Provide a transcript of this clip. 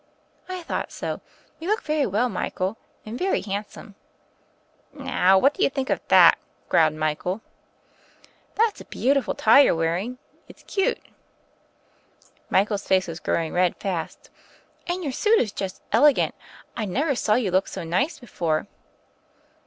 "I thought so. You look very well, Michael; and very handsome." "Now what do you think of that !" growled Michael. THE FAIRY OF THE SNOWS 71 "That's a beautiful tie you're wearing. It's cute." Michael's face was growing red fast. "And your suit is just elegant. I never saw you look so nice before."